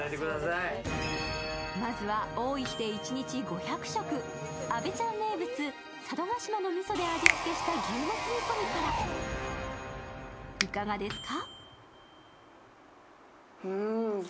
まずは多い日で一日５００食、あべちゃん名物佐渡島のみそで味付けした牛もつ煮込みから、いかがですか？